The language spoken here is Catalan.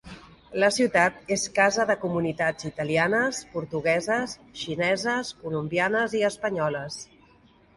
La ciutat és casa de comunitats italianes, portugueses, xineses, colombianes i espanyoles.